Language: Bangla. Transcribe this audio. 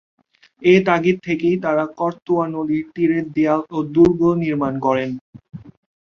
এ তাগিদ থেকেই তারা করতোয়া নদীর তীরে দেয়াল ও দুর্গ নির্মাণ করেন।